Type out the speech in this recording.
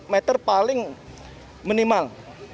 lima ratus meter paling minimal